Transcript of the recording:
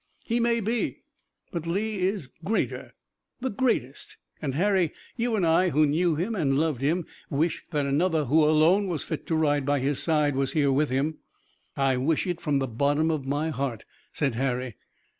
"He may be, but Lee is greater, greatest. And, Harry, you and I, who knew him and loved him, wish that another who alone was fit to ride by his side was here with him." "I wish it from the bottom of my heart," said Harry.